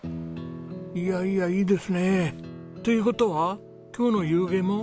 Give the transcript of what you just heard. いやいやいいですね！という事は今日の夕餉も。